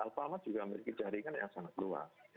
alphamart juga memiliki jaringan yang sangat luas